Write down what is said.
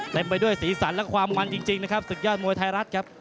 ไปด้วยสีสันและความมันจริงนะครับศึกยอดมวยไทยรัฐครับ